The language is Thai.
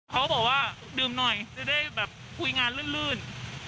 เขาบอกว่าดื่มหน่อยจะได้แบบคุยงานลื่น